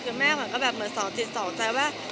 คือแม่เหมือนก็แบบเหมือนสองจิตสองใจว่า